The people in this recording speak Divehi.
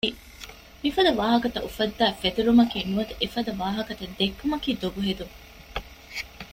މިފަދަ ވާހަކަތައް އުފައްދައި ފެތުރުމަކީ ނުވަތަ އެފަދަ ވާހަކަތައް ދެއްކުމަކީ ދޮގުހެދުން